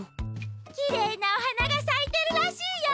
きれいなおはながさいてるらしいよ！